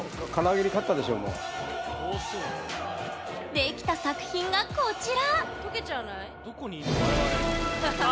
できた作品が、こちら。